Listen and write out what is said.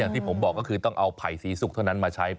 อย่างที่ผมบอกก็คือเอาไผ่ซีสุกเท่านั้นมาใช้